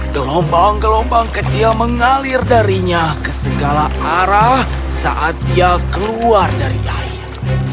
gelombang gelombang kecil mengalir darinya ke segala arah saat dia keluar dari air